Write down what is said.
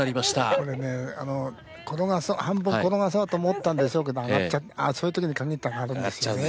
これね転がす半分転がそうと思ったんでしょうけどそういうときにかぎって上がるんでしょうね。